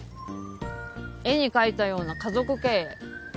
絵に描いたような家族経営。